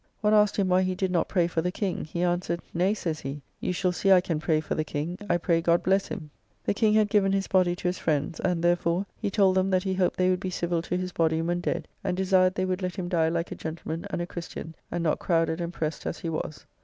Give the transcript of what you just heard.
One asked him why he did not pray for the King. He answered, "Nay," says he, "you shall see I can pray for the King: I pray God bless him!" The King had given his body to his friends; and, therefore, he told them that he hoped they would be civil to his body when dead; and desired they would let him die like a gentleman and a Christian, and not crowded and pressed as he was.